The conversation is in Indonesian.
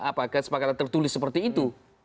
tidak ada kesepakatan tertulis seperti itu